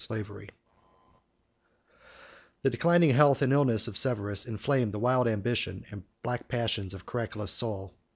] The declining health and last illness of Severus inflamed the wild ambition and black passions of Caracalla's soul.